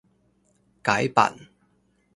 改版